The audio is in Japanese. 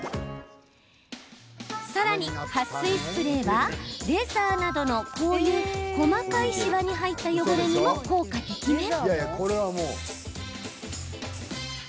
さらに、はっ水スプレーはレザーなどのこういう細かいしわに入った汚れにも、効果てきめん。